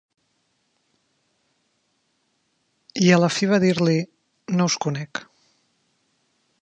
I a la fi va dir-li: No us conec.